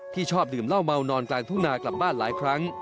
ชอบดื่มเหล้าเมานอนกลางทุ่งนากลับบ้านหลายครั้ง